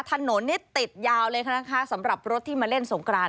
ถนนนี้ติดยาวเลยนะคะสำหรับรถที่มาเล่นสงกราน